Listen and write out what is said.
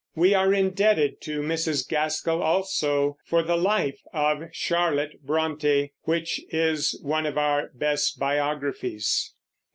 We are indebted to Mrs. Gaskell also for the Life of Charlotte Brontë, which is one of our best biographies.